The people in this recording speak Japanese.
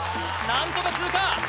何とか通過